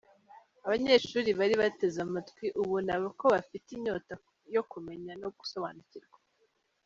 Abanyeshuri bari bateze amatwi, ubona ko bafite inyota yo kumenya no gusobanukirwa.